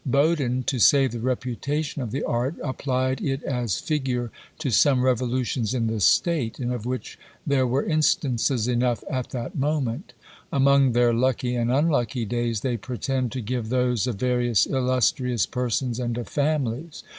Bodin, to save the reputation of the art, applied it as figure to some revolutions in the state, and of which there were instances enough at that moment. Among their lucky and unlucky days, they pretend to give those of various illustrious persons and of families.